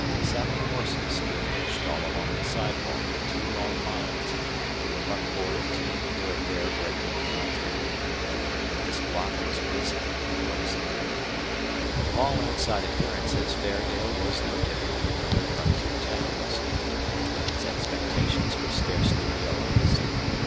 Saddled horses stood hitched all along the sidewalk in two long lines, with a buckboard and team here and there breaking the continuity. This block was busy and noisy. From all outside appearances Fairdale was no different from other frontier towns, and Duane's expectations were scarcely realized.